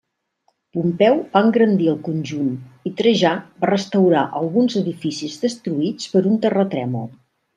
Pompeu va engrandir el conjunt i Trajà va restaurar alguns edificis destruïts per un terratrèmol.